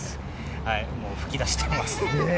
もう噴き出してます。